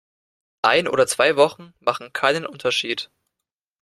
Ein oder zwei Wochen machen keinen Unterschied.